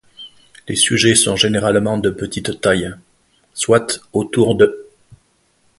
Les sujets sont généralement de petite taille, soit autour d'.